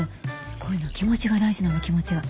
こういうのは気持ちが大事なの気持ちが。